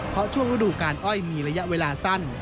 เพราะช่วงฤดูการอ้อยมีระยะเวลาสั้น